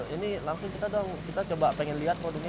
ini langsung kita dong kita coba pengen lihat produknya